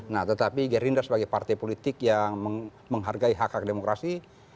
nah tetapi gerindra sebagai partai politik yang menghargai hak hak demokrasi